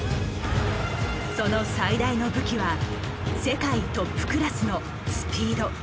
その最大の武器は世界トップクラスのスピード。